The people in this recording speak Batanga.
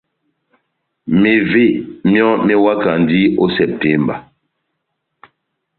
Mevé myɔ́ mewakandi ó Sepitemba.